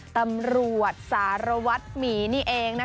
ตำรวจสารวัฒน์หมีนี่เองนะคะ